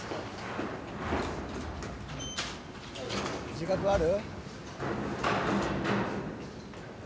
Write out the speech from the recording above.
自覚ある？